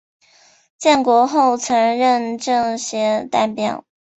建国后曾任政协代表。